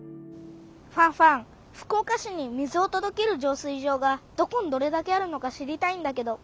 ファンファン福岡市に水をとどける浄水場がどこにどれだけあるのか知りたいんだけど。